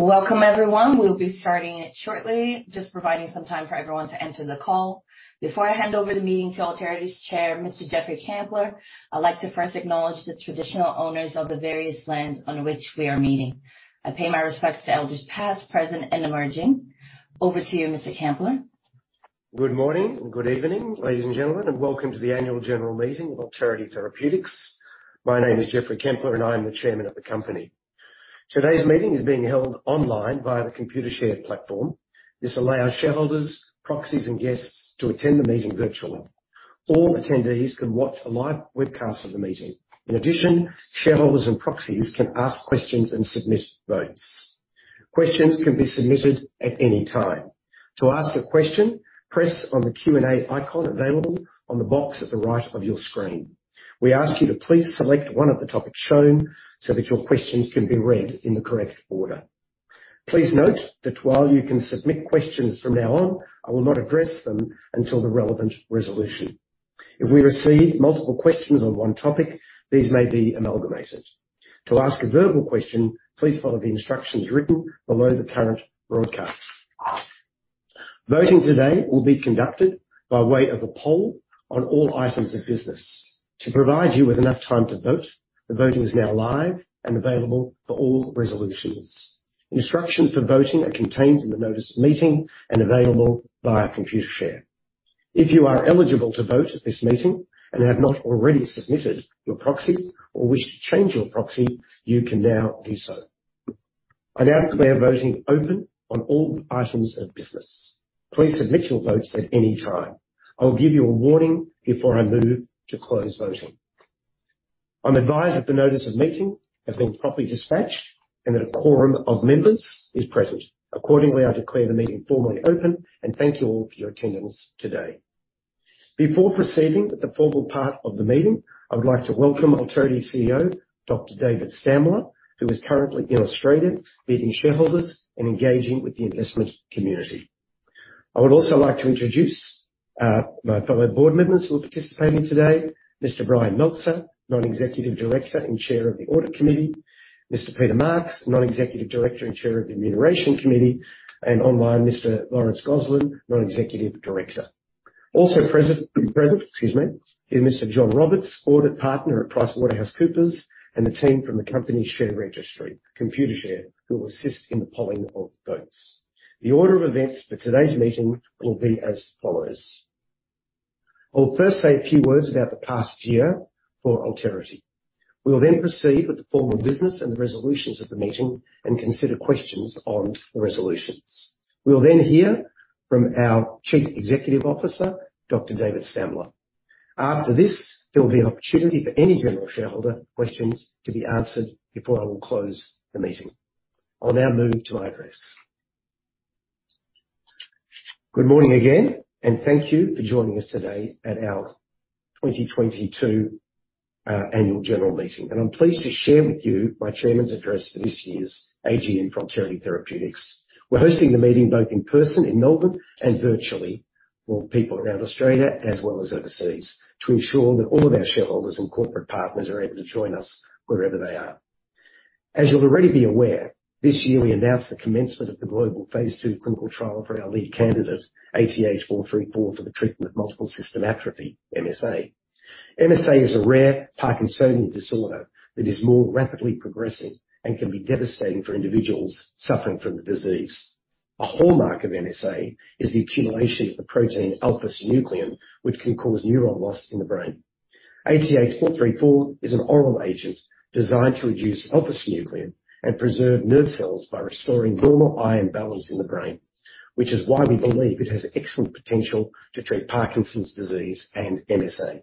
Welcome, everyone. We'll be starting shortly, just providing some time for everyone to enter the call. Before I hand over the meeting to Alterity's chair, Mr. Geoffrey Kempler, I'd like to first acknowledge the traditional owners of the various lands on which we are meeting. I pay my respects to elders past, present, and emerging. Over to you, Mr. Kempler. Good morning and good evening, ladies and gentlemen, and welcome to the Annual General Meeting of Alterity Therapeutics. My name is Geoffrey Kempler, and I am the chairman of the company. Today's meeting is being held online via the Computershare platform. This allows shareholders, proxies, and guests to attend the meeting virtually. All attendees can watch a live webcast of the meeting. In addition, shareholders and proxies can ask questions and submit votes. Questions can be submitted at any time. To ask a question, press on the Q&A icon available on the box at the right of your screen. We ask you to please select one of the topics shown so that your questions can be read in the correct order. Please note that while you can submit questions from now on, I will not address them until the relevant resolution. If we receive multiple questions on one topic, these may be amalgamated. To ask a verbal question, please follow the instructions written below the current broadcast. Voting today will be conducted by way of a poll on all items of business. To provide you with enough time to vote, the voting is now live and available for all resolutions. Instructions for voting are contained in the notice of meeting and available via Computershare. If you are eligible to vote at this meeting and have not already submitted your proxy or wish to change your proxy, you can now do so. I now declare voting open on all items of business. Please submit your votes at any time. I will give you a warning before I move to close voting. I'm advised that the notice of meeting has been properly dispatched and that a quorum of members is present. Accordingly, I declare the meeting formally open, and thank you all for your attendance today. Before proceeding with the formal part of the meeting, I would like to welcome Alterity's CEO, Dr. David Stamler, who is currently in Australia meeting shareholders and engaging with the investment community. I would also like to introduce my fellow board members who are participating today. Mr. Brian Meltzer, Non-Executive Director and Chair of the Audit Committee. Mr. Peter Marks, Non-Executive Director and Chair of the Remuneration Committee. Online, Mr. Lawrence Gozlan, Non-Executive Director. Also present is Mr. Jon Roberts, Audit Partner at PricewaterhouseCoopers, and the team from the company share registry, Computershare, who will assist in the polling of votes. The order of events for today's meeting will be as follows. I'll first say a few words about the past year for Alterity. We will then proceed with the formal business and the resolutions of the meeting and consider questions on the resolutions. We will then hear from our Chief Executive Officer, Dr. David Stamler. After this, there will be an opportunity for any general shareholder questions to be answered before I will close the meeting. I'll now move to my address. Good morning again, and thank you for joining us today at our 2022 Annual General Meeting. I'm pleased to share with you my Chairman's address for this year's AGM for Alterity Therapeutics. We're hosting the meeting both in person in Melbourne and virtually for people around Australia as well as overseas, to ensure that all of our shareholders and corporate partners are able to join us wherever they are. As you'll already be aware, this year we announced the commencement of the global phase II clinical trial for our lead candidate, ATH434, for the treatment of Multiple System Atrophy, MSA. MSA is a rare parkinsonism disorder that is more rapidly progressing and can be devastating for individuals suffering from the disease. A hallmark of MSA is the accumulation of the protein alpha-synuclein, which can cause neuron loss in the brain. ATH434 is an oral agent designed to reduce alpha-synuclein and preserve nerve cells by restoring normal iron balance in the brain, which is why we believe it has excellent potential to treat Parkinson's disease and MSA.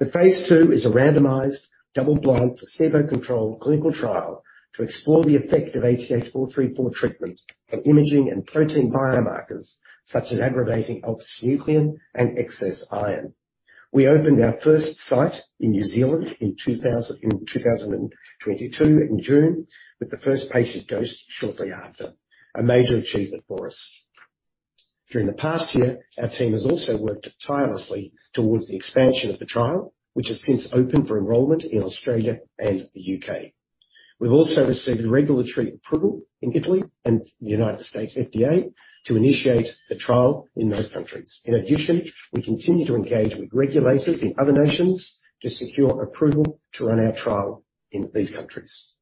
The phase II is a randomized, double-blind, placebo-controlled clinical trial to explore the effect of ATH434 treatment on imaging and protein biomarkers such as aggregating alpha-synuclein and excess iron. We opened our first site in New Zealand in June 2022, with the first patient dosed shortly after. A major achievement for us. During the past year, our team has also worked tirelessly towards the expansion of the trial, which has since opened for enrollment in Australia and the U.K. We've also received regulatory approval in Italy and the U.S. FDA to initiate the trial in those countries. In addition, we continue to engage with regulators in other nations to secure approval to run our trial in these countries.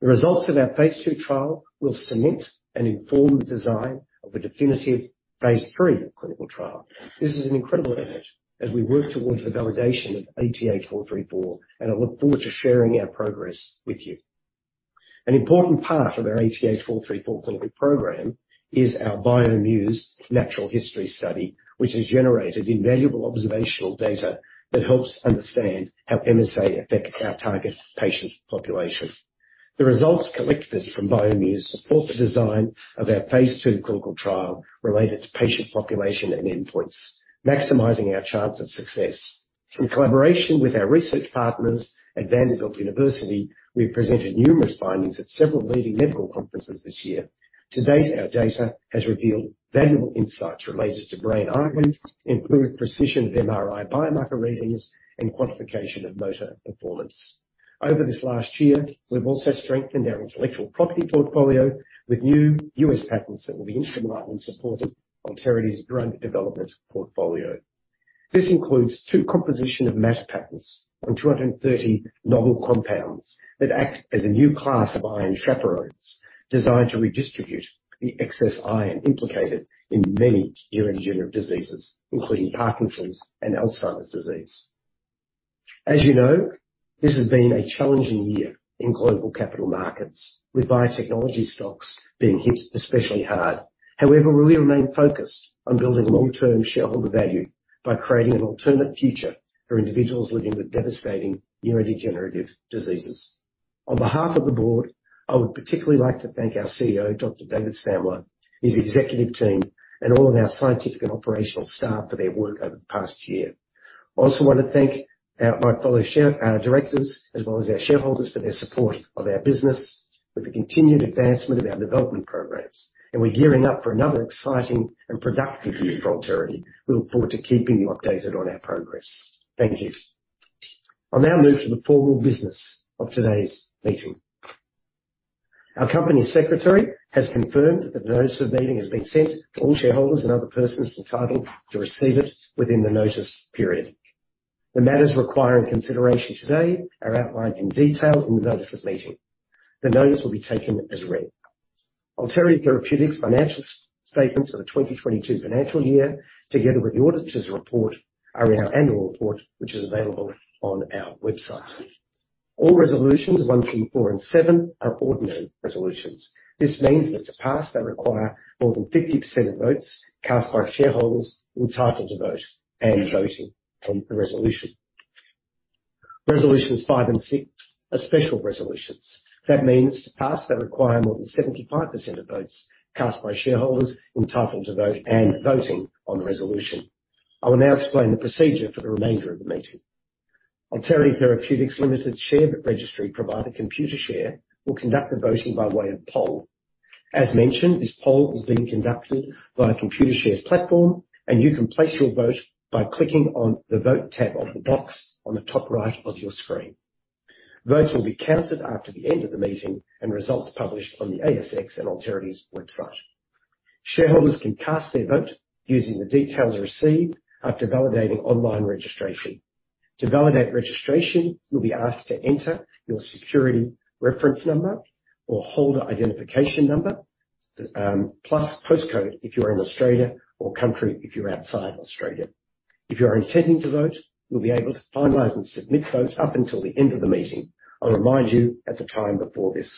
The results of our phase II trial will cement and inform the design of a definitive phase III clinical trial. This is an incredible event as we work towards the validation of ATH434, and I look forward to sharing our progress with you. An important part of our ATH434 clinical program is our bioMUSE natural history study, which has generated invaluable observational data that helps understand how MSA affects our target patient population. The results collected from bioMUSE support the design of our phase II clinical trial related to patient population and endpoints, maximizing our chance of success. In collaboration with our research partners at Vanderbilt University, we've presented numerous findings at several leading medical conferences this year. To date, our data has revealed valuable insights related to brain iron, improved precision of MRI biomarker readings, and quantification of motor performance. Over this last year, we've also strengthened our intellectual property portfolio with new U.S. patents that will be instrumental in supporting Alterity's drug development portfolio. This includes two composition of matter patents and 230 novel compounds that act as a new class of iron chaperones designed to redistribute the excess iron implicated in many neurodegenerative diseases, including Parkinson's and Alzheimer's disease. As you know, this has been a challenging year in global capital markets, with biotechnology stocks being hit especially hard. However, we remain focused on building long-term shareholder value by creating an alternate future for individuals living with devastating neurodegenerative diseases. On behalf of the board, I would particularly like to thank our CEO, Dr. David Stamler, his executive team, and all of our scientific and operational staff for their work over the past year. I also want to thank my fellow directors as well as our shareholders for their support of our business, for the continued advancement of our development programs. We're gearing up for another exciting and productive year for Alterity Therapeutics. We look forward to keeping you updated on our progress. Thank you. I'll now move to the formal business of today's meeting. Our company secretary has confirmed that the notice of meeting has been sent to all shareholders and other persons entitled to receive it within the notice period. The matters requiring consideration today are outlined in detail in the notice of meeting. The notice will be taken as read. Alterity Therapeutics' financial statements for the 2022 financial year, together with the auditor's report, are in our annual report, which is available on our website. All resolutions 1 through 4 and 7 are ordinary resolutions. This means that to pass they require more than 50% of votes cast by shareholders entitled to vote and voting on the resolution. Resolutions 5 and 6 are special resolutions. That means to pass they require more than 75% of votes cast by shareholders entitled to vote and voting on the resolution. I will now explain the procedure for the remainder of the meeting. Alterity Therapeutics Limited share registry provider, Computershare, will conduct the voting by way of poll. As mentioned, this poll is being conducted via Computershare's platform, and you can place your vote by clicking on the Vote tab of the box on the top right of your screen. Votes will be counted after the end of the meeting and results published on the ASX and Alterity's website. Shareholders can cast their vote using the details received after validating online registration. To validate registration, you'll be asked to enter your security reference number or holder identification number, plus postcode if you're in Australia or country if you're outside Australia. If you are intending to vote, you'll be able to finalize and submit votes up until the end of the meeting. I'll remind you at the time before this.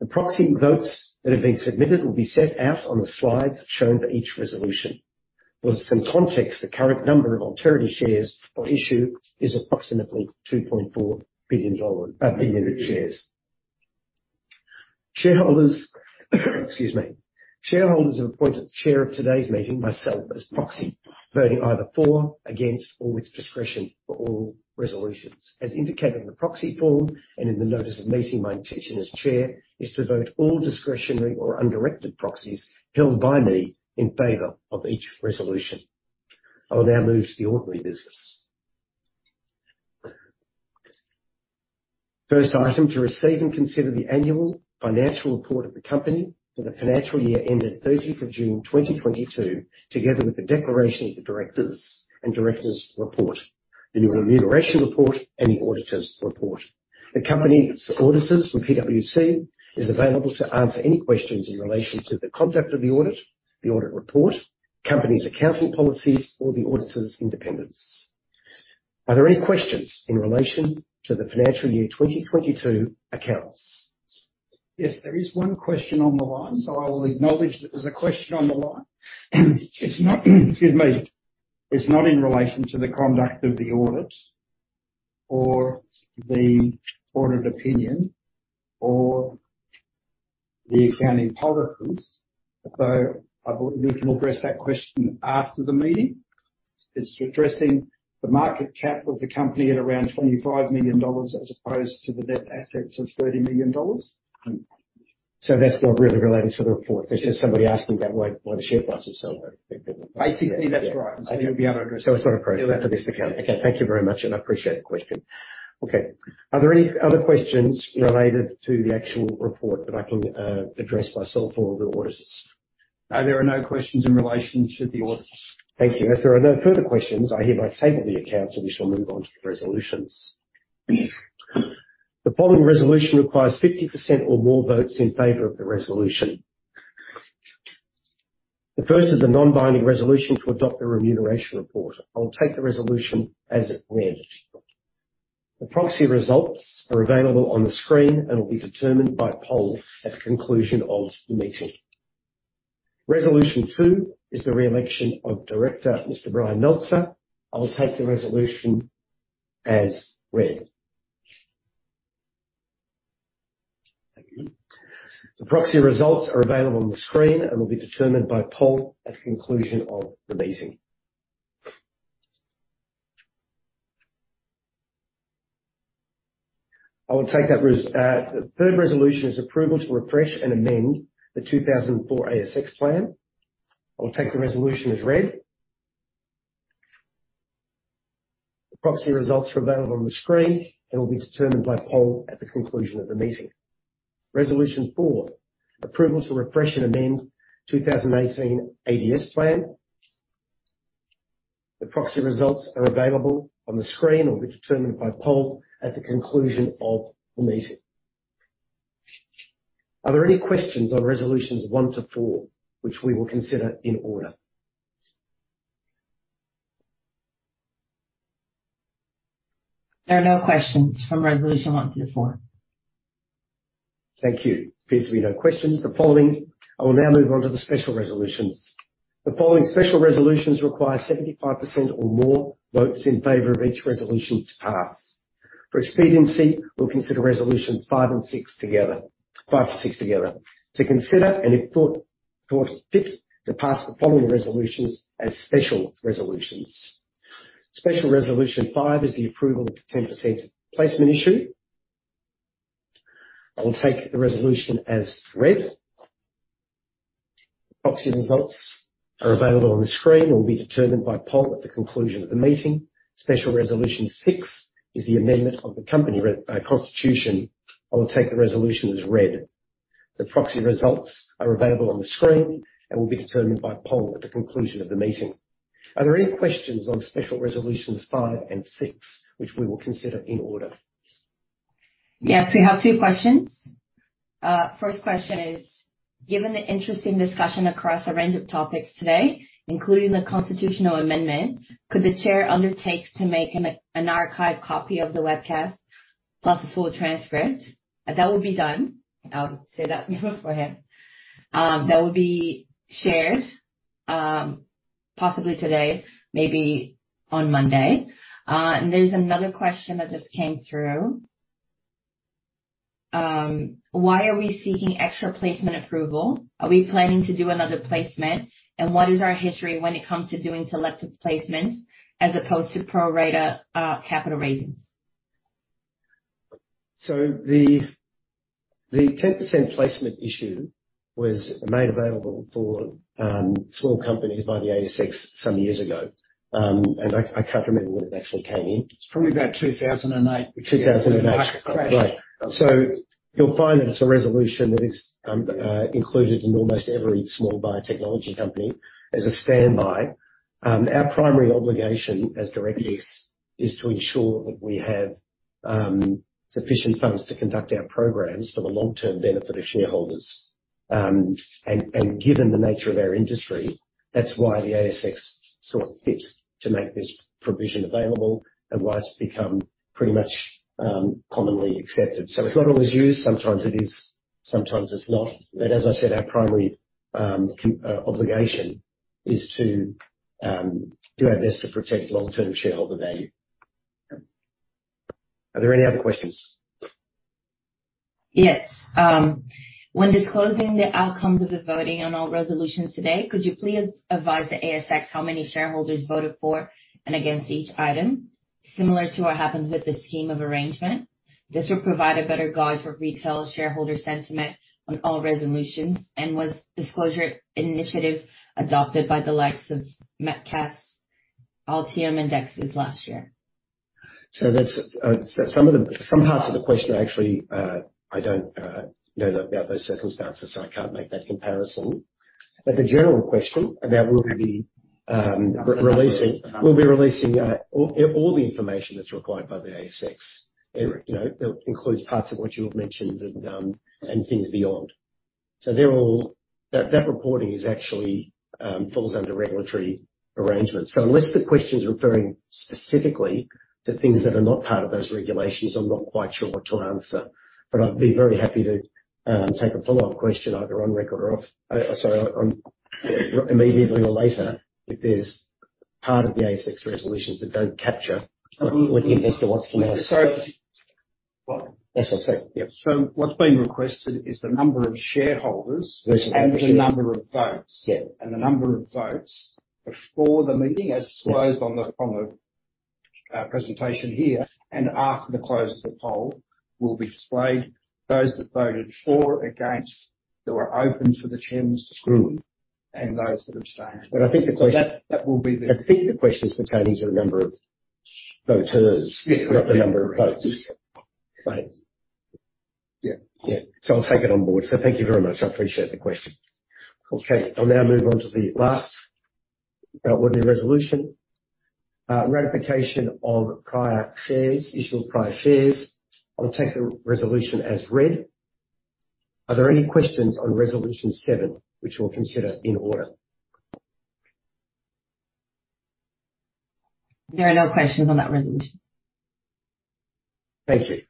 The proxy votes that have been submitted will be set out on the slides shown for each resolution. For some context, the current number of Alterity shares on issue is approximately 2.4 billion shares. Shareholders have appointed the chair of today's meeting, myself, as proxy voting either for, against, or with discretion for all resolutions. As indicated in the proxy form and in the notice of meeting, my obligation as chair is to vote all discretionary or undirected proxies held by me in favor of each resolution. I will now move to the ordinary business. First item, to receive and consider the annual financial report of the company for the financial year ended 30 June 2022, together with the declaration of the directors and directors' report, the remuneration report, and the auditor's report. The company's auditors from PwC are available to answer any questions in relation to the conduct of the audit, the audit report, company's accounting policies or the auditor's independence. Are there any questions in relation to the financial year 2022 accounts? Yes, there is one question on the line, so I'll acknowledge that there's a question on the line. It's not in relation to the conduct of the audit or the audit opinion or the accounting policies. I thought you can address that question after the meeting. It's addressing the market cap of the company at around 25 million dollars as opposed to the net assets of 30 million dollars. That's not really relating to the report. That's just somebody asking about why the share price is so low. Basically, that's right. You'll be able to address that. It's not appropriate for this account. Okay, thank you very much, and I appreciate the question. Okay. Are there any other questions related to the actual report that I can address myself or the auditors? There are no questions in relation to the auditors. Thank you. As there are no further questions, I hereby take the accounts, and we shall move on to the resolutions. The following resolution requires 50% or more votes in favor of the resolution. The first is the non-binding resolution to adopt the remuneration report. I will take the resolution as it read. The proxy results are available on the screen and will be determined by poll at the conclusion of the meeting. Resolution 2 is the re-election of director Mr. Brian Meltzer. I will take the resolution as read. Thank you. The proxy results are available on the screen and will be determined by poll at the conclusion of the meeting. Third resolution is approval to refresh and amend the 2004 ASX Plan. I will take the resolution as read. The proxy results are available on the screen and will be determined by poll at the conclusion of the meeting. Resolution 4, approval to refresh and amend 2018 ADS plan. The proxy results are available on the screen and will be determined by poll at the conclusion of the meeting. Are there any questions on resolutions 1 to 4, which we will consider in order? There are no questions from resolution 1 through 4. Thank you. Appears to be no questions. I will now move on to the special resolutions. The following special resolutions require 75% or more votes in favor of each resolution to pass. For expediency, we'll consider resolutions 5 and 6 together. To consider and if thought fit to pass the following resolutions as special resolutions. Special resolution 5 is the approval of the 10% placement issue. I will take the resolution as read. Proxy results are available on the screen and will be determined by poll at the conclusion of the meeting. Special resolution 6 is the amendment of the company constitution. I will take the resolution as read. The proxy results are available on the screen and will be determined by poll at the conclusion of the meeting. Are there any questions on special resolutions 5 and 6, which we will consider in order? Yes, we have two questions. First question is: Given the interesting discussion across a range of topics today, including the constitutional amendment, could the chair undertakes to make an archive copy of the webcast plus a full transcript? That will be done. I'll say that. Go ahead. That will be shared, possibly today, maybe on Monday. There's another question that just came through. Why are we seeking extra placement approval? Are we planning to do another placement? What is our history when it comes to doing selective placements as opposed to pro rata capital raisings? The 10% placement issue was made available for small companies by the ASX some years ago. I can't remember when it actually came in. It's probably about 2008. 2008. After the crash. Right. You'll find that it's a resolution that is included in almost every small biotechnology company as a standby. Our primary obligation as directors is to ensure that we have sufficient funds to conduct our programs for the long-term benefit of shareholders. Given the nature of our industry, that's why the ASX saw fit to make this provision available and why it's become pretty much commonly accepted. It's not always used. Sometimes it is, sometimes it's not. But as I said, our primary obligation is to do our best to protect long-term shareholder value. Are there any other questions? Yes. When disclosing the outcomes of the voting on all resolutions today, could you please advise the ASX how many shareholders voted for and against each item? Similar to what happened with the scheme of arrangement. This will provide a better guide for retail shareholder sentiment on all resolutions. Was disclosure initiative adopted by the likes of Metcash, Altium indexes last year. That's some parts of the question, actually, I don't know the other circumstances, so I can't make that comparison. The general question about will we be releasing all the information that's required by the ASX. It, you know, it includes parts of what you have mentioned and things beyond. They're all. That reporting is actually falls under regulatory arrangements. Unless the question's referring specifically to things that are not part of those regulations, I'm not quite sure what to answer. I'd be very happy to take a follow-up question either on record or off. Sorry, or immediately or later, if there's part of the ASX resolutions that don't capture What the investor wants to know. So- That's what I said. Yeah. What's been requested is the number of shareholders and the number of votes. Yeah. The number of votes before the meeting as disclosed on the presentation here and after the close of the poll will be displayed. Those that voted for, against, that were open for the chair's discretion, and those that abstained. I think the question. That will be the. I think the question is pertaining to the number of voters. Yeah. Not the number of votes. Right. Yeah. I'll take it on board. Thank you very much. I appreciate the question. Okay. I'll now move on to the last ordinary resolution. Ratification of prior shares, issue of prior shares. I'll take the resolution as read. Are there any questions on resolution 7, which we'll consider in order? There are no questions on that resolution. Thank you.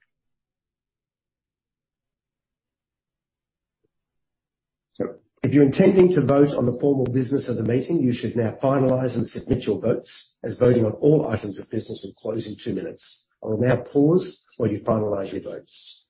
So if you're intending to vote on the formal business of the meeting, you should now finalize and submit your votes, as voting on all items of business will close in two minutes. I will now pause while you finalize your votes.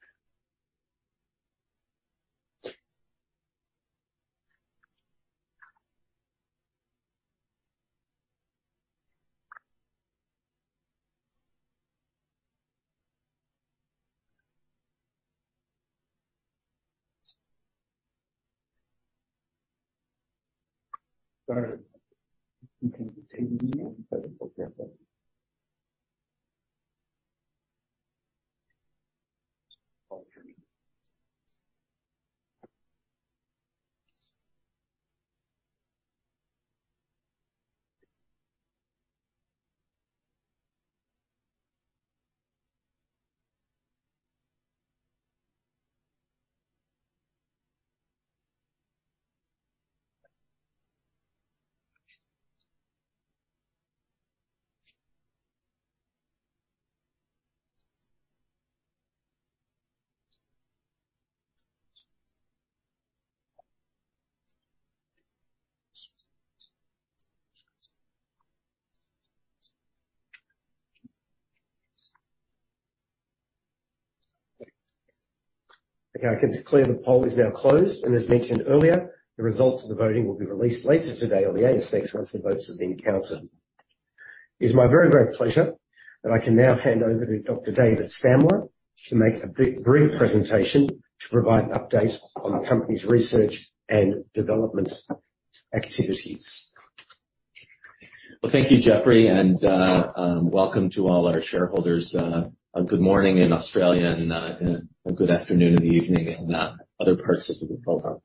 Okay, I can declare the poll is now closed. As mentioned earlier, the results of the voting will be released later today on the ASX, once the votes have been counted. It's my very, very pleasure that I can now hand over to Dr. David Stamler to make a brief presentation to provide an update on the company's research and development activities. Well, thank you, Geoffrey, and welcome to all our shareholders. A good morning in Australia and a good afternoon in the evening in other parts of the program.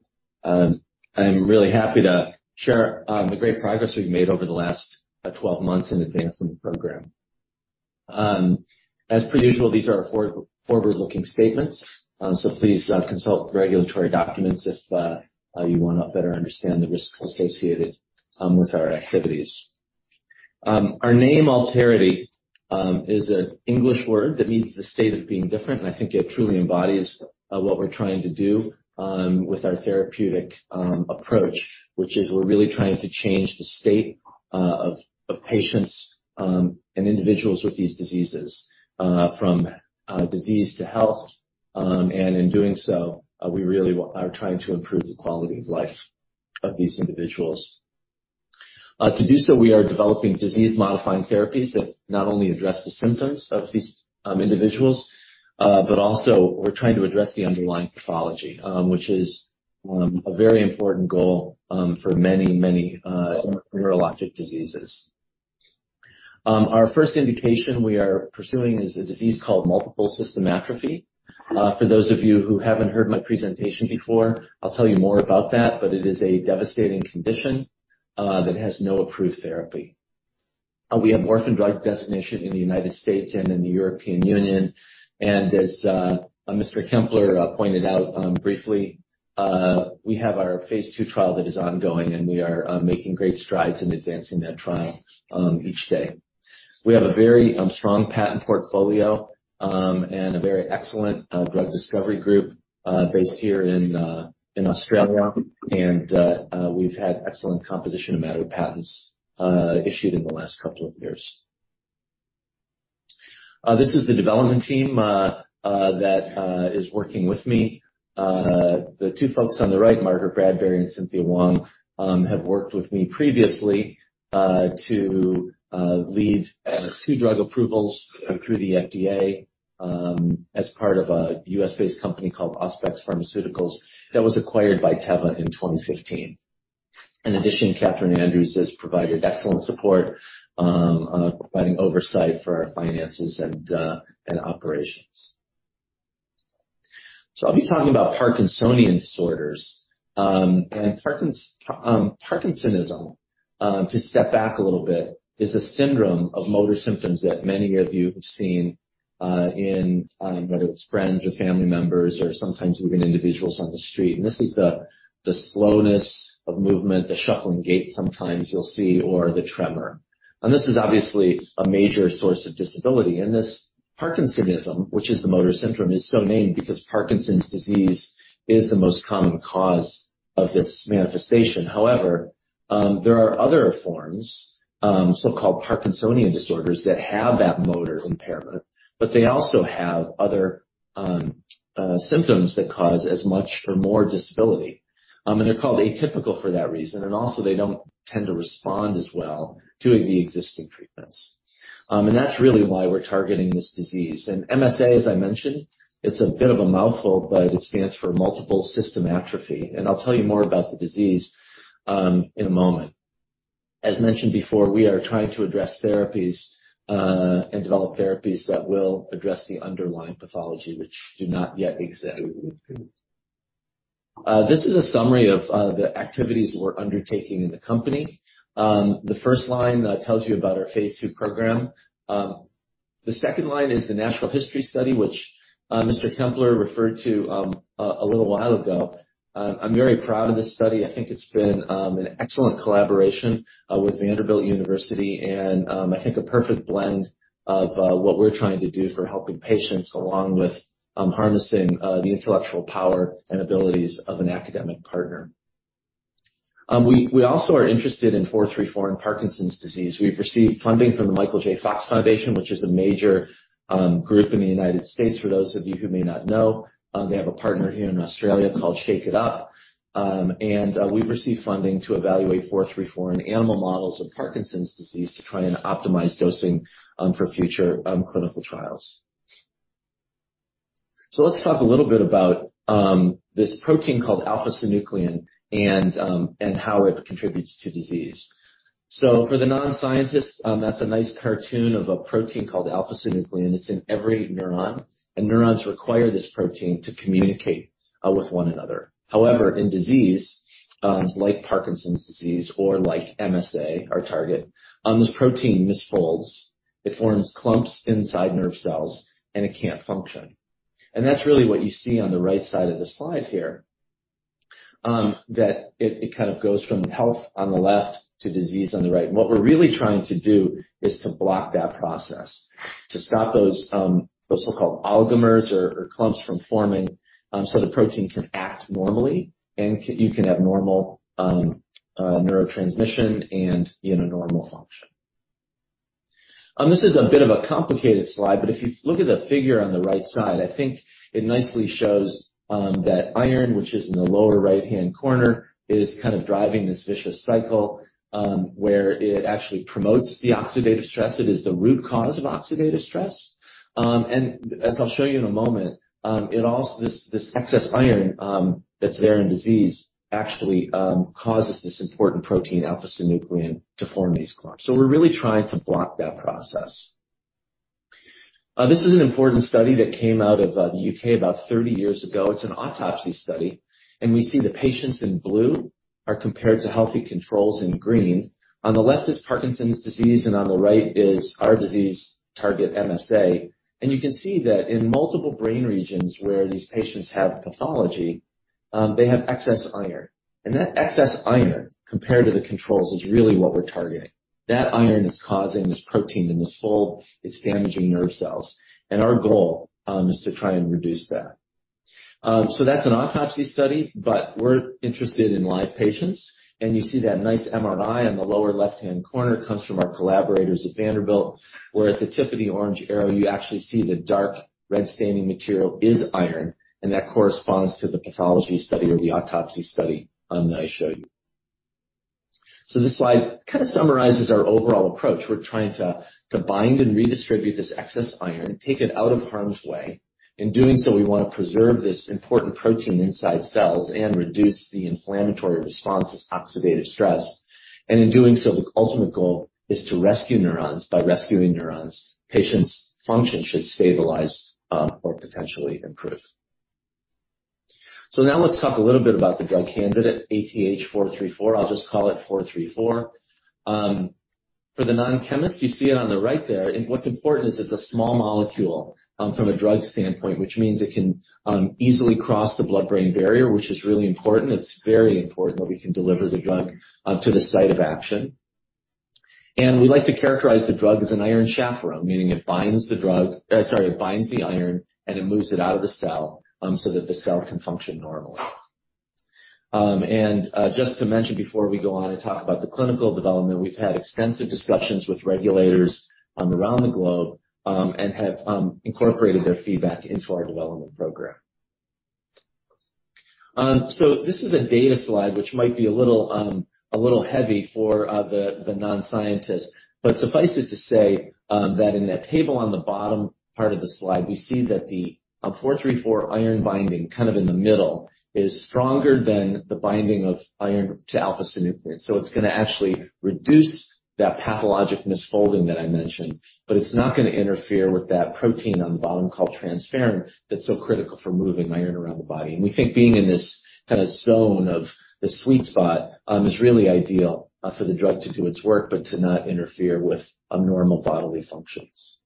I'm really happy to share the great progress we've made over the last 12 months in advancing the program. As per usual, these are forward-looking statements, so please consult the regulatory documents if you wanna better understand the risks associated with our activities. Our name Alterity is an English word that means the state of being different, and I think it truly embodies what we're trying to do with our therapeutic approach. Which is we're really trying to change the state of patients and individuals with these diseases from disease to health. In doing so, we really are trying to improve the quality of life of these individuals. To do so, we are developing disease-modifying therapies that not only address the symptoms of these individuals, but also we're trying to address the underlying pathology, which is a very important goal for many neurologic diseases. Our first indication we are pursuing is a disease called Multiple System Atrophy. For those of you who haven't heard my presentation before, I'll tell you more about that, but it is a devastating condition that has no approved therapy. We have Orphan Drug Designation in the United States and in the European Union. As Mr. Kempler pointed out briefly we have our phase II trial that is ongoing, and we are making great strides in advancing that trial each day. We have a very strong patent portfolio and a very excellent drug discovery group based here in Australia. We've had excellent composition of matter patents issued in the last couple of years. This is the development team that is working with me. The two folks on the right, Margaret Bradbury and Cynthia Wong, have worked with me previously to lead two drug approvals through the FDA as part of a U.S.-based company called Auspex Pharmaceuticals that was acquired by Teva in 2015. In addition, Kathryn Andrews has provided excellent support, providing oversight for our finances and operations. I'll be talking about Parkinsonian disorders. Parkinsonism, to step back a little bit, is a syndrome of motor symptoms that many of you have seen, whether it's friends or family members or sometimes even individuals on the street. This is the slowness of movement, the shuffling gait sometimes you'll see or the tremor. This is obviously a major source of disability. This Parkinsonism, which is the motor syndrome, is so named because Parkinson's disease is the most common cause of this manifestation. However, there are other forms, so-called Parkinsonian disorders that have that motor impairment, but they also have other symptoms that cause as much or more disability. They're called atypical for that reason. Also, they don't tend to respond as well to the existing treatments. That's really why we're targeting this disease. MSA, as I mentioned, it's a bit of a mouthful, but it stands for Multiple System Atrophy. I'll tell you more about the disease, in a moment. As mentioned before, we are trying to address therapies, and develop therapies that will address the underlying pathology which do not yet exist. This is a summary of the activities we're undertaking in the company. The first line tells you about our phase II program. The second line is the natural history study, which Mr. Kempler referred to a little while ago. I'm very proud of this study. I think it's been an excellent collaboration with Vanderbilt University and I think a perfect blend of what we're trying to do for helping patients along with harnessing the intellectual power and abilities of an academic partner. We also are interested in four three four in Parkinson's disease. We've received funding from the Michael J. Fox Foundation, which is a major group in the United States. For those of you who may not know, they have a partner here in Australia called Shake It Up. We've received funding to evaluate four three four in animal models of Parkinson's disease to try and optimize dosing for future clinical trials. Let's talk a little bit about this protein called alpha-synuclein and how it contributes to disease. For the non-scientist, that's a nice cartoon of a protein called alpha-synuclein. It's in every neuron, and neurons require this protein to communicate with one another. However, in disease like Parkinson's disease or like MSA, our target, this protein misfolds. It forms clumps inside nerve cells, and it can't function. That's really what you see on the right side of the slide here, that it kind of goes from health on the left to disease on the right. What we're really trying to do is to block that process, to stop those so-called oligomers or clumps from forming, so the protein can act normally, and you can have normal neurotransmission and, you know, normal function. This is a bit of a complicated slide, but if you look at the figure on the right side, I think it nicely shows that iron, which is in the lower right-hand corner, is kind of driving this vicious cycle, where it actually promotes the oxidative stress. It is the root cause of oxidative stress. As I'll show you in a moment, this excess iron that's there in disease actually causes this important protein, alpha-synuclein, to form these clumps. We're really trying to block that process. This is an important study that came out of the U.K. about 30 years ago. It's an autopsy study, and we see the patients in blue are compared to healthy controls in green. On the left is Parkinson's disease, and on the right is our disease target, MSA. You can see that in multiple brain regions where these patients have pathology, they have excess iron. That excess iron, compared to the controls, is really what we're targeting. That iron is causing this protein to misfold. It's damaging nerve cells. Our goal is to try and reduce that. That's an autopsy study, but we're interested in live patients. You see that nice MRI on the lower left-hand corner. It comes from our collaborators at Vanderbilt, where at the tip of the orange arrow, you actually see the dark red staining material is iron, and that corresponds to the pathology study or the autopsy study that I showed you. This slide kind of summarizes our overall approach. We're trying to bind and redistribute this excess iron, take it out of harm's way. In doing so, we wanna preserve this important protein inside cells and reduce the inflammatory response, this oxidative stress. In doing so, the ultimate goal is to rescue neurons. By rescuing neurons, patients' function should stabilize, or potentially improve. Now let's talk a little bit about the drug candidate, ATH434. I'll just call it 434. For the non-chemists, you see it on the right there, and what's important is it's a small molecule, from a drug standpoint, which means it can easily cross the blood-brain barrier, which is really important. It's very important that we can deliver the drug to the site of action. We like to characterize the drug as an iron chaperone, meaning it binds the iron, and it moves it out of the cell, so that the cell can function normally. Just to mention before we go on and talk about the clinical development, we've had extensive discussions with regulators around the globe and have incorporated their feedback into our development program. This is a data slide which might be a little heavy for the non-scientist, but suffice it to say that in that table on the bottom part of the slide, we see that the four-three-four iron binding, kind of in the middle, is stronger than the binding of iron to alpha-synuclein. It's gonna actually reduce that pathologic misfolding that I mentioned, but it's not gonna interfere with that protein on the bottom called transferrin that's so critical for moving iron around the body. We think being in this kinda zone of this sweet spot is really ideal for the drug to do its work, but to not interfere with normal bodily functions.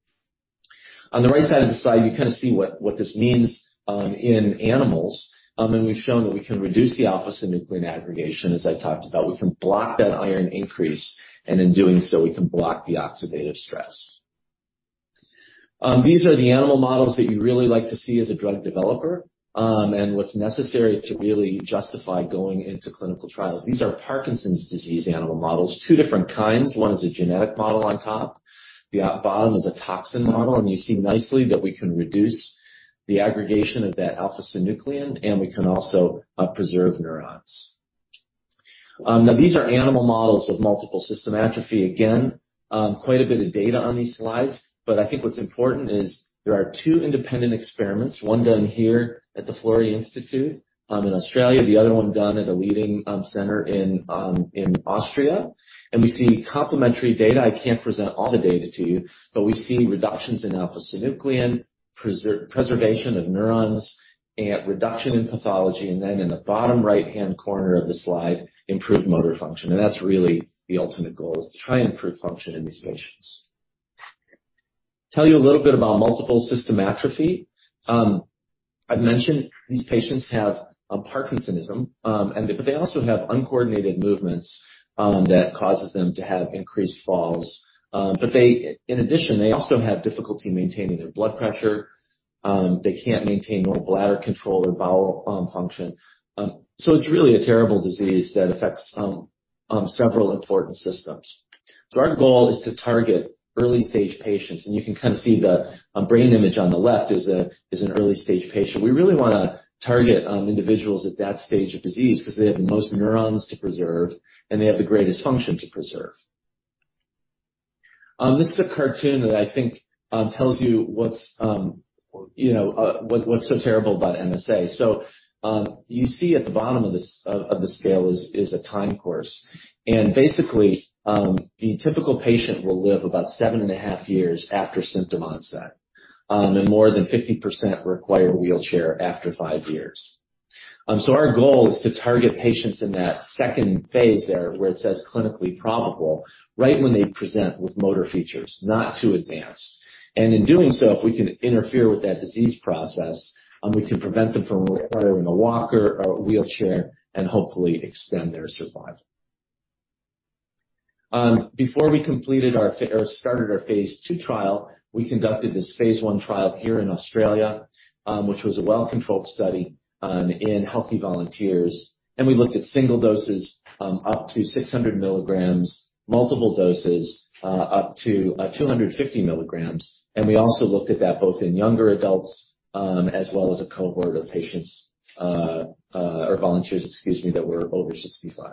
On the right side of the slide, you kinda see what this means in animals. We've shown that we can reduce the alpha-synuclein aggregation, as I talked about. We can block that iron increase, and in doing so, we can block the oxidative stress. These are the animal models that you really like to see as a drug developer and what's necessary to really justify going into clinical trials. These are Parkinson's disease animal models. Two different kinds. One is a genetic model on top. The bottom is a toxin model, and you see nicely that we can reduce the aggregation of that alpha-synuclein, and we can also preserve neurons. Now these are animal models of Multiple System Atrophy. Again, quite a bit of data on these slides, but I think what's important is there are two independent experiments, one done here at the Florey Institute in Australia, the other one done at a leading center in Austria. We see complementary data. I can't present all the data to you, but we see reductions in alpha-synuclein, preservation of neurons, and reduction in pathology, and then in the bottom right-hand corner of the slide, improved motor function. That's really the ultimate goal, is to try and improve function in these patients. Tell you a little bit about Multiple System Atrophy. I've mentioned these patients have a Parkinsonism, but they also have uncoordinated movements that causes them to have increased falls. They, in addition, they also have difficulty maintaining their blood pressure. They can't maintain normal bladder control or bowel function. It's really a terrible disease that affects several important systems. Our goal is to target early-stage patients, and you can kinda see the brain image on the left is an early-stage patient. We really wanna target individuals at that stage of disease 'cause they have the most neurons to preserve, and they have the greatest function to preserve. This is a cartoon that I think tells you what's you know what's so terrible about MSA. You see at the bottom of the scale is a time course. Basically, the typical patient will live about seven and a half years after symptom onset. More than 50% require a wheelchair after five years. Our goal is to target patients in that second phase III, where it says clinically probable, right when they present with motor features, not too advanced. In doing so, if we can interfere with that disease process, we can prevent them from requiring a walker or wheelchair and hopefully extend their survival. Before we started our phase II trial, we conducted this phase I trial here in Australia, which was a well-controlled study in healthy volunteers. We looked at single doses up to 600 mg, multiple doses up to 250 mg. We also looked at that both in younger adults as well as a cohort of patients or volunteers, excuse me, that were over 65.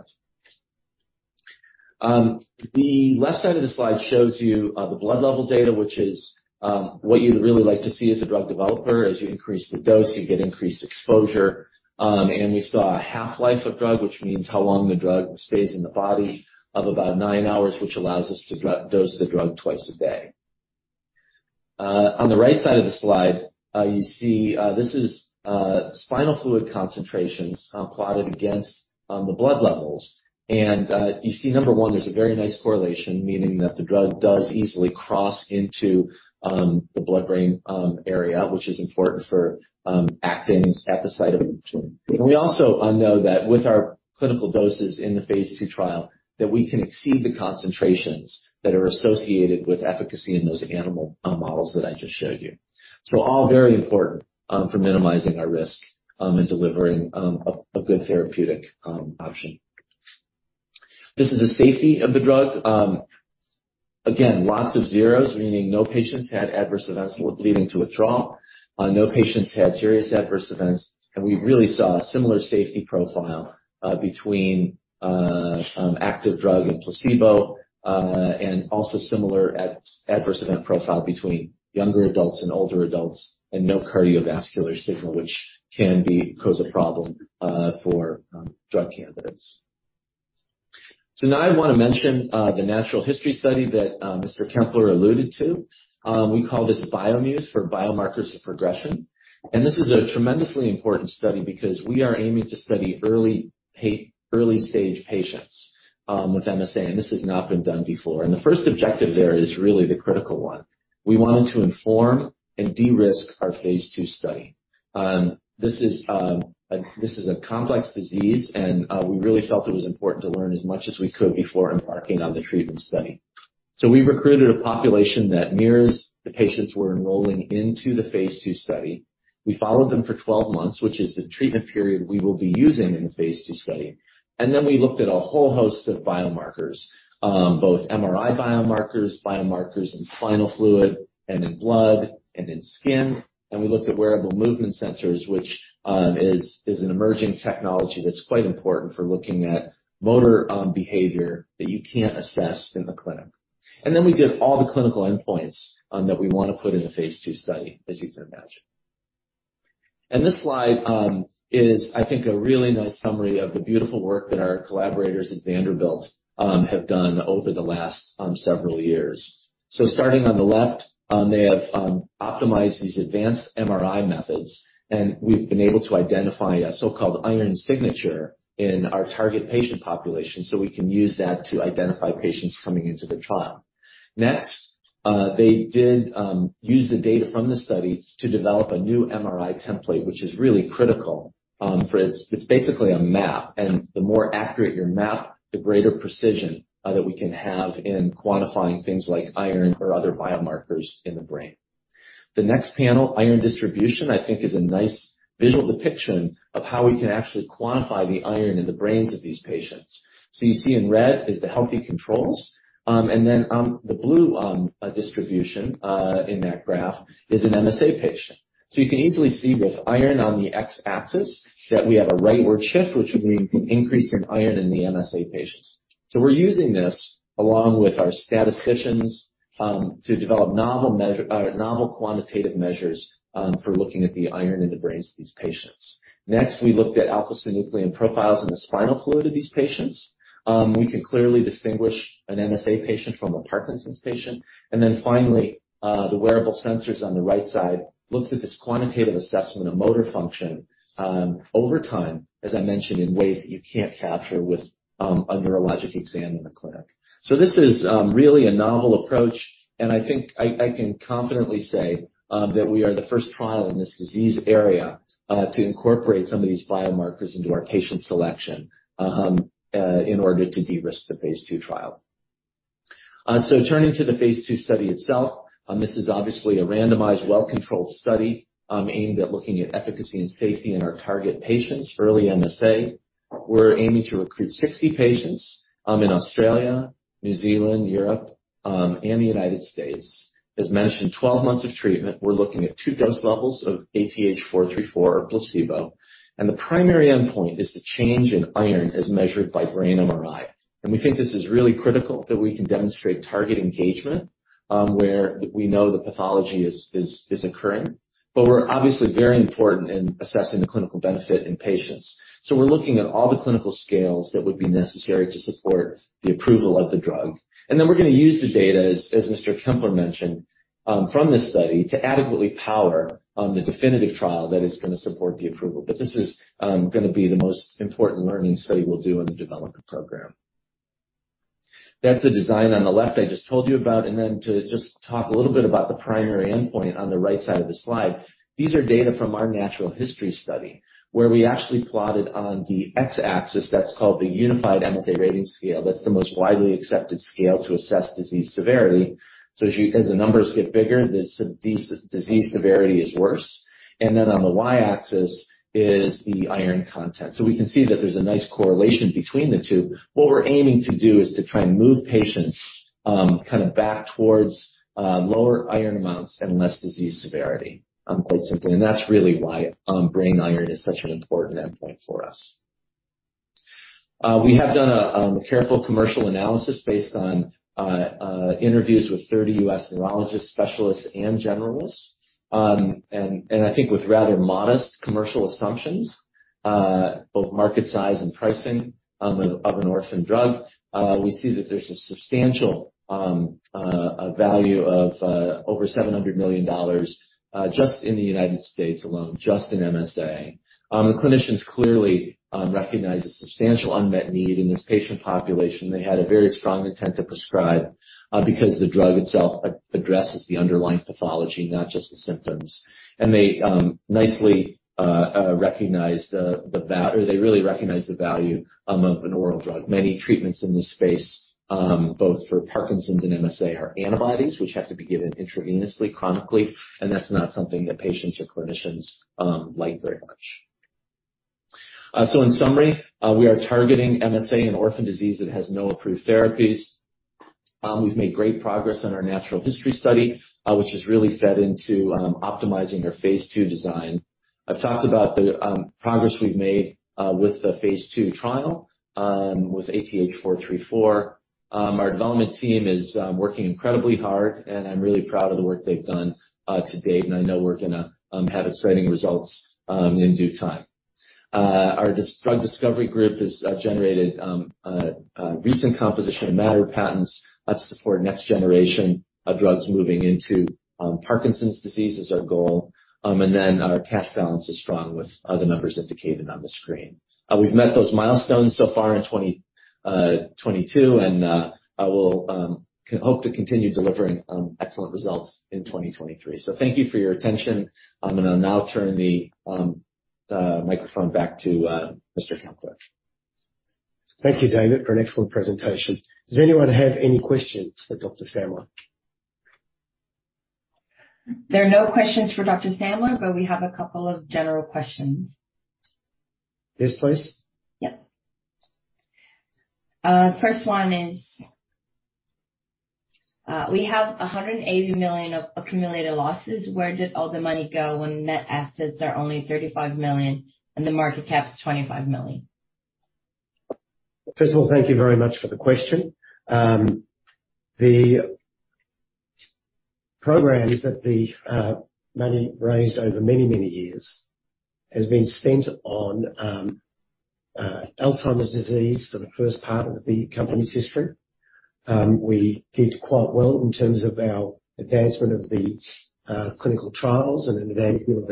The left side of the slide shows you the blood level data, which is what you'd really like to see as a drug developer. As you increase the dose, you get increased exposure. We saw a half-life of drug, which means how long the drug stays in the body of about nine hours, which allows us to dose the drug twice a day. On the right side of the slide, you see this is spinal fluid concentrations plotted against the blood levels. You see number one, there's a very nice correlation, meaning that the drug does easily cross into the blood-brain barrier, which is important for acting at the site of. We also know that with our clinical doses in the phase II trial, that we can exceed the concentrations that are associated with efficacy in those animal models that I just showed you. All very important for minimizing our risk and delivering a good therapeutic option. This is the safety of the drug. Again, lots of zeros, meaning no patients had adverse events leading to withdrawal. No patients had serious adverse events. We really saw a similar safety profile between active drug and placebo, and also similar adverse event profile between younger adults and older adults. No cardiovascular signal, which can cause a problem for drug candidates. Now I wanna mention the natural history study that Mr. Kempler alluded to. We call this bioMUSE for Biomarkers of Progression. This is a tremendously important study because we are aiming to study early-stage patients with MSA, and this has not been done before. The first objective there is really the critical one. We wanted to inform and de-risk our phase II study. This is a complex disease, and we really felt it was important to learn as much as we could before embarking on the treatment study. We recruited a population that mirrors the patients we're enrolling into the phase II study. We followed them for 12 months, which is the treatment period we will be using in the phase II study. We looked at a whole host of biomarkers, both MRI biomarkers in spinal fluid and in blood and in skin. We looked at wearable movement sensors, which is an emerging technology that's quite important for looking at motor behavior that you can't assess in the clinic. We did all the clinical endpoints that we wanna put in the phase II study, as you can imagine. This slide is, I think, a really nice summary of the beautiful work that our collaborators at Vanderbilt have done over the last several years. Starting on the left, they have optimized these advanced MRI methods, and we've been able to identify a so-called iron signature in our target patient population, so we can use that to identify patients coming into the trial. Next, they did use the data from the study to develop a new MRI template, which is really critical, for it's basically a map, and the more accurate your map, the greater precision that we can have in quantifying things like iron or other biomarkers in the brain. The next panel, iron distribution, I think is a nice visual depiction of how we can actually quantify the iron in the brains of these patients. You see in red is the healthy controls. And then, the blue distribution in that graph is an MSA patient. You can easily see with iron on the x-axis that we have a rightward shift, which would mean an increase in iron in the MSA patients. We're using this along with our statisticians to develop novel quantitative measures for looking at the iron in the brains of these patients. Next, we looked at alpha-synuclein profiles in the spinal fluid of these patients. We can clearly distinguish an MSA patient from a Parkinson's patient. Finally, the wearable sensors on the right side looks at this quantitative assessment of motor function over time, as I mentioned, in ways that you can't capture with a neurologic exam in the clinic. This is really a novel approach, and I think I can confidently say that we are the first trial in this disease area to incorporate some of these biomarkers into our patient selection in order to de-risk the phase II trial. Turning to the phase II study itself, this is obviously a randomized, well-controlled study aimed at looking at efficacy and safety in our target patients, early MSA. We're aiming to recruit 60 patients in Australia, New Zealand, Europe and the United States. As mentioned, 12 months of treatment, we're looking at 2 dose levels of ATH434 or placebo, and the primary endpoint is the change in iron as measured by brain MRI. We think this is really critical that we can demonstrate target engagement where we know the pathology is occurring. We're obviously very important in assessing the clinical benefit in patients. We're looking at all the clinical scales that would be necessary to support the approval of the drug. We're gonna use the data as Mr. Kempler mentioned from this study to adequately power the definitive trial that is gonna support the approval. This is gonna be the most important learning study we'll do in the development program. That's the design on the left I just told you about. To just talk a little bit about the primary endpoint on the right side of the slide. These are data from our natural history study, where we actually plotted on the X-axis, that's called the Unified MSA Rating Scale. That's the most widely accepted scale to assess disease severity. As the numbers get bigger, disease severity is worse. On the Y-axis is the iron content. We can see that there's a nice correlation between the two. What we're aiming to do is to try and move patients, kinda back towards, lower iron amounts and less disease severity, quite simply. That's really why, brain iron is such an important endpoint for us. We have done a careful commercial analysis based on, interviews with 30 U.S. neurologist specialists and generalists. I think with rather modest commercial assumptions, both market size and pricing, of an orphan drug, we see that there's a substantial, value of, over $700 million, just in the United States alone, just in MSA. The clinicians clearly recognize a substantial unmet need in this patient population. They had a very strong intent to prescribe because the drug itself addresses the underlying pathology, not just the symptoms. They really recognize the value of an oral drug. Many treatments in this space, both for Parkinson's and MSA, are antibodies which have to be given intravenously, chronically, and that's not something that patients or clinicians like very much. In summary, we are targeting MSA, an orphan disease that has no approved therapies. We've made great progress on our natural history study, which has really fed into optimizing our phase II design. I've talked about the progress we've made with the phase II trial with ATH434. Our development team is working incredibly hard, and I'm really proud of the work they've done to date, and I know we're gonna have exciting results in due time. Our drug discovery group has generated recent composition of matter patents that support next generation of drugs moving into Parkinson's disease is our goal. Then our cash balance is strong with other numbers indicated on the screen. We've met those milestones so far in 2022 and I will hope to continue delivering excellent results in 2023. Thank you for your attention. I'm gonna now turn the microphone back to Mr. Kempler. Thank you, David, for an excellent presentation. Does anyone have any questions for Dr. Stamler? There are no questions for Dr. David Stamler, but we have a couple of general questions. Yes, please. Yeah. First one is, we have 180 million of accumulated losses. Where did all the money go when net assets are only 35 million and the market cap is 25 million? First of all, thank you very much for the question. The program is that the money raised over many, many years has been spent on Alzheimer's disease for the first part of the company's history. We did quite well in terms of our advancement of the clinical trials and advancement of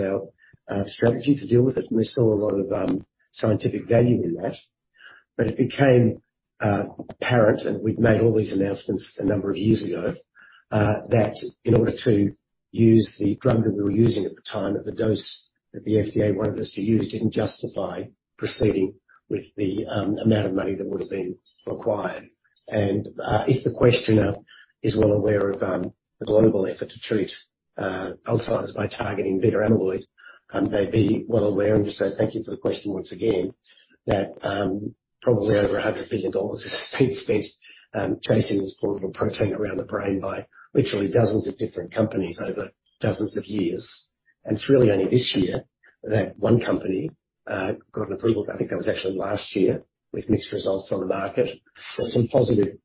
our strategy to deal with it, and there's still a lot of scientific value in that. It became apparent, and we've made all these announcements a number of years ago, that in order to use the drug that we were using at the time, at the dose that the FDA wanted us to use, didn't justify proceeding with the amount of money that would have been required. If the questioner is well aware of the global effort to treat Alzheimer's by targeting beta-amyloid, they'd be well aware, and so thank you for the question once again, that probably over $100 billion has been spent chasing this pathological protein around the brain by literally dozens of different companies over dozens of years. It's really only this year that one company got an approval. I think that was actually last year with mixed results on the market. There's some positive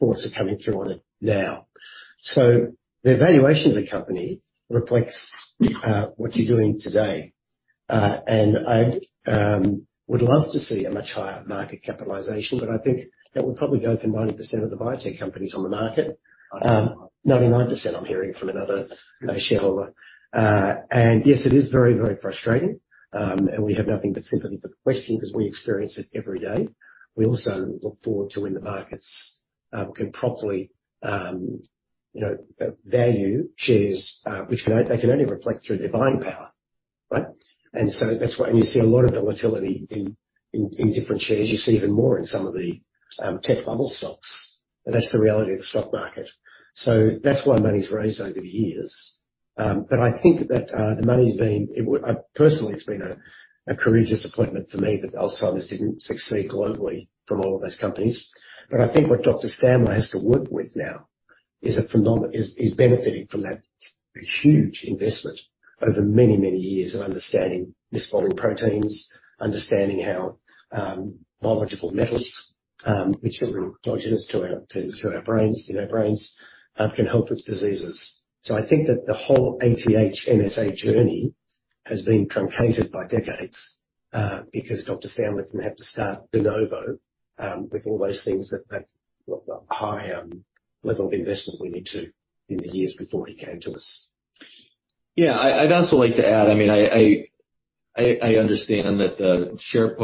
thoughts are coming through on it now. The evaluation of the company reflects what you're doing today. I would love to see a much higher market capitalization, but I think that would probably go for 90% of the biotech companies on the market. 99%, I'm hearing from another shareholder. Yes, it is very, very frustrating, and we have nothing but sympathy for the question 'cause we experience it every day. We also look forward to when the markets can properly, you know, value shares, which they can only reflect through their buying power, right? That's why you see a lot of volatility in different shares. You see even more in some of the tech bubble stocks. That's the reality of the stock market. That's why money's raised over the years. I think that the money's been. Personally, it's been a courageous investment for me that Alzheimer's didn't succeed globally from all of those companies. I think what Dr. Stamler has to work with now is benefiting from that huge investment over many years of understanding misfolding proteins, understanding how biological metals, which are endogenous to our brains, can help with diseases. I think that the whole ATH-MSA journey has been truncated by decades, because Dr. Stamler didn't have to start de novo with all those things that high level of investment we needed in the years before he came to us. Yeah. I'd also like to add, I mean, I understand that the share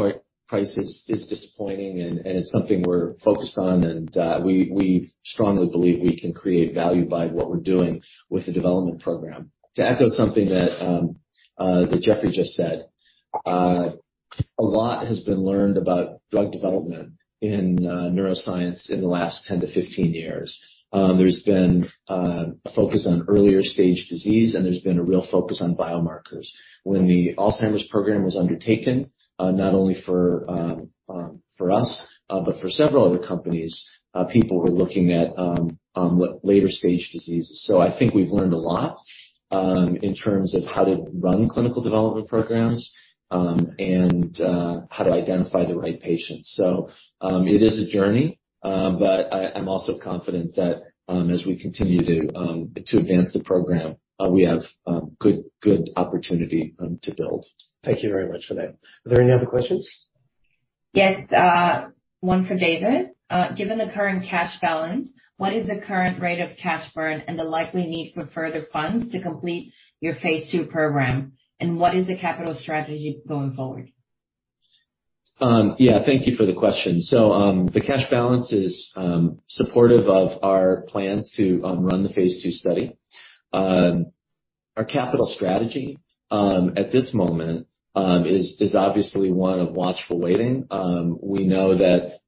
price is disappointing and it's something we're focused on, and we strongly believe we can create value by what we're doing with the development program. To echo something that Geoffrey just said, a lot has been learned about drug development in neuroscience in the last 10-15 years. There's been a focus on earlier stage disease, and there's been a real focus on biomarkers. When the Alzheimer's program was undertaken, not only for us, but for several other companies, people were looking at what later stage diseases. I think we've learned a lot in terms of how to run clinical development programs, and how to identify the right patients. It is a journey, but I'm also confident that as we continue to advance the program, we have good opportunity to build. Thank you very much for that. Are there any other questions? Yes. One for David. Given the current cash balance, what is the current rate of cash burn and the likely need for further funds to complete your phase II program? What is the capital strategy going forward? Yeah. Thank you for the question. The cash balance is supportive of our plans to run the phase II study. Our capital strategy at this moment is obviously one of watchful waiting. We know that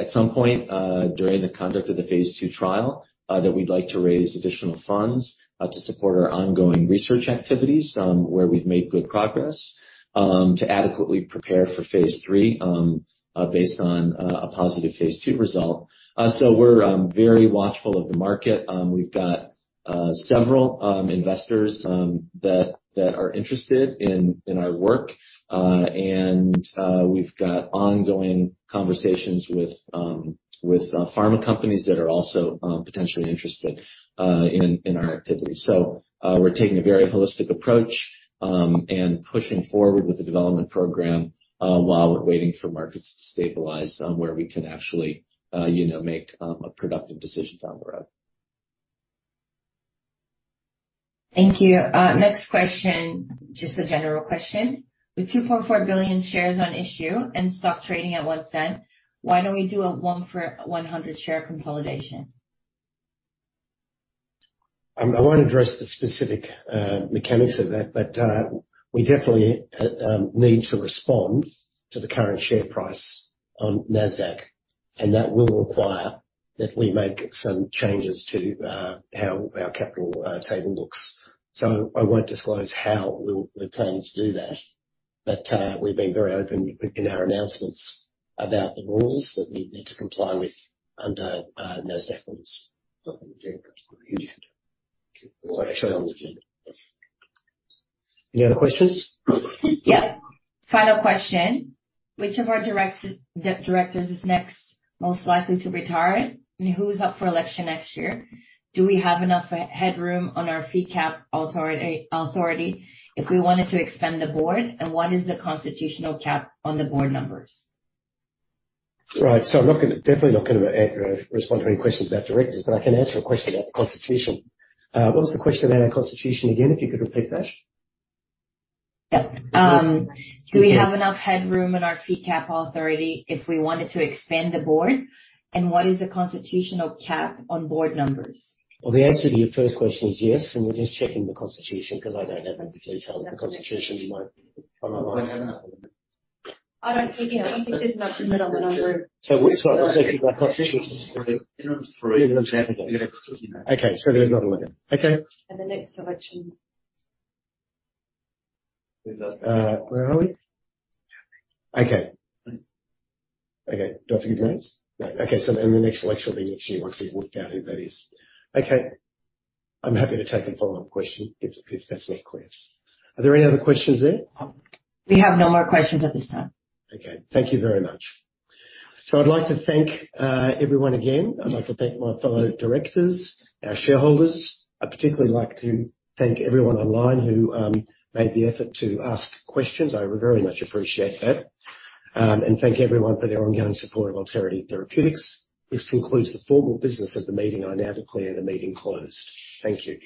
at some point during the conduct of the phase II trial that we'd like to raise additional funds to support our ongoing research activities where we've made good progress to adequately prepare for phase III based on a positive phase II result. We're very watchful of the market. We've got several investors that are interested in our work. We've got ongoing conversations with pharma companies that are also potentially interested in our activity. We're taking a very holistic approach, and pushing forward with the development program, while we're waiting for markets to stabilize, where we can actually, you know, make a productive decision down the road. Thank you. Next question. Just a general question. With 2.4 billion shares on issue and stock trading at 0.01, why don't we do a 1-for-100 share consolidation? I won't address the specific mechanics of that, but we definitely need to respond to the current share price on Nasdaq, and that will require that we make some changes to how our capital table looks. I won't disclose how we're planning to do that, but we've been very open in our announcements about the rules that we need to comply with under Nasdaq rules. Any other questions? Yeah. Final question. Which of our directors is next most likely to retire, and who is up for election next year? Do we have enough headroom on our fee cap authority if we wanted to expand the board? And what is the constitutional cap on the board numbers? Right. I'm definitely not gonna answer or respond to any questions about directors, but I can answer a question about the constitution. What was the question about our constitution again, if you could repeat that? Yeah. Do we have enough headroom in our fee cap authority if we wanted to expand the board? What is the constitutional cap on board numbers? Well, the answer to your first question is yes, and we're just checking the constitution because I don't have the details of the constitution on my mind. We have another one. I don't think there's an optimal number. Sorry. Okay, so there's another one. Okay. The next election. Where are we? Okay. Do I have to give names? No. Okay. In the next election, then you'll see once we've worked out who that is. Okay. I'm happy to take a follow-up question if that's not clear. Are there any other questions there? We have no more questions at this time. Okay. Thank you very much. I'd like to thank everyone again. I'd like to thank my fellow directors, our shareholders. I'd particularly like to thank everyone online who made the effort to ask questions. I very much appreciate that. Thank everyone for their ongoing support of Alterity Therapeutics. This concludes the formal business of the meeting. I now declare the meeting closed. Thank you.